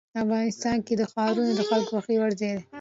افغانستان کې ښارونه د خلکو خوښې وړ ځای دی.